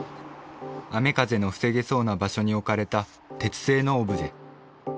雨風の防げそうな場所に置かれた鉄製のオブジェ。